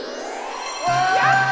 やった！